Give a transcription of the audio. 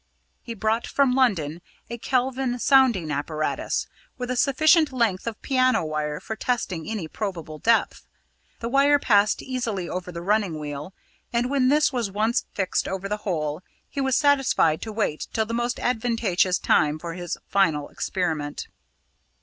He brought from London a Kelvin sounding apparatus, with a sufficient length of piano wire for testing any probable depth. The wire passed easily over the running wheel, and when this was once fixed over the hole, he was satisfied to wait till the most advantageous time for his final experiment.